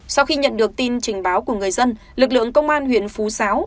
sau khi nhận được tin trình báo của người dân lực lượng công an huyện phú giáo